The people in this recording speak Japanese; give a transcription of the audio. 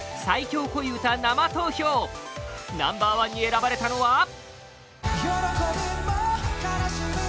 最強恋うた生投票ナンバー１に選ばれたのは